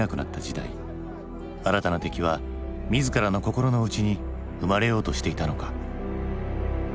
新たな敵は自らの心の内に生まれようとしていたのか？